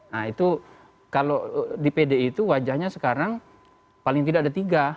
nah itu kalau di pdi itu wajahnya sekarang paling tidak ada tiga